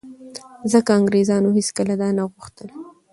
ځکه انګرېزانو هېڅکله دا نه غوښتل